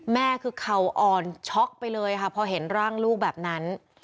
แม่คือเข่าอ่อนช็อกไปเลยค่ะพอเห็นร่างลูกแบบนั้น